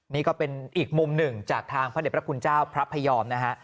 นี่ก็เป็นอีกมุมหนึ่งจากทางพระเด็จพระคุณเจ้าพระพยอมนะฮะ